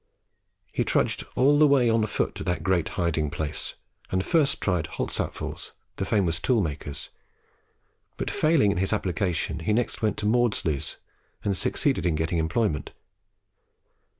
He trudged all the way on foot to that great hiding place, and first tried Holtzapffel's, the famous tool maker's, but failing in his application he next went to Maudslay's and succeeded in getting employment.